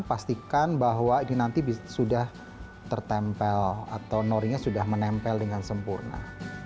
pastikan bahwa ini nanti sudah tertempel atau norinya sudah menempel dengan sempurna